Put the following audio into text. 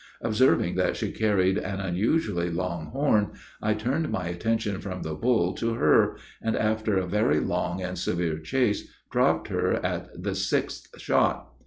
Observing that she carried an unusually long horn, I turned my attention from the bull to her, and, after a very long and severe chase, dropped her at the sixth shot.